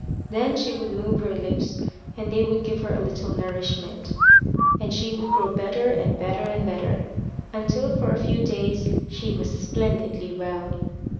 Then she would move her lips, and they would give her a little nourishment; and she would grow better and better and better, until for a few days she was splendidly well.